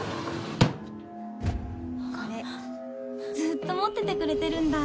これずっと持っててくれてるんだ。